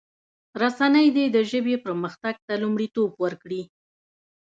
رسنی دي د ژبې پرمختګ ته لومړیتوب ورکړي.